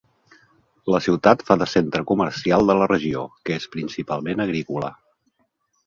La ciutat fa de centre comercial de la regió, que és principalment agrícola.